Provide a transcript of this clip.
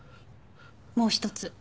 もう一つ